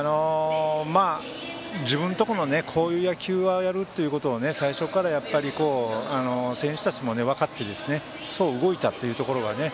自分とこのこういう野球をするというのは最初から選手たちも分かってそう動いたというところがね